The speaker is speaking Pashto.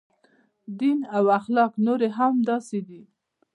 دین او اخلاق نورې هم همداسې دي.